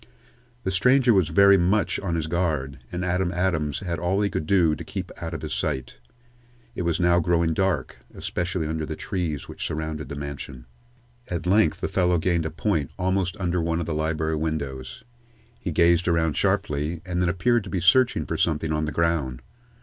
The stranger was very much on his guard, and Adam Adams had all he could do to keep out of his sight. It was now growing dark, especially under the trees which surrounded the mansion. At length the fellow gained a point almost under one of the library windows. He gazed around sharply, and then appeared to be searching for something on the ground.